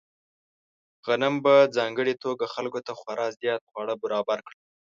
غنم په ځانګړې توګه خلکو ته خورا زیات خواړه برابر کړل.